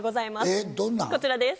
こちらです。